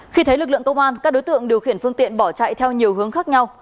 khi thấy lực lượng công an các đối tượng điều khiển phương tiện bỏ chạy theo nhiều hướng khác nhau